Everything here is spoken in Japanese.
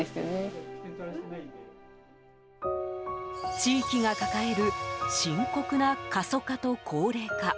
地域が抱える深刻な過疎化と高齢化。